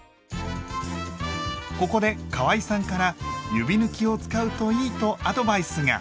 ここでかわいさんから指ぬきを使うといいとアドバイスが。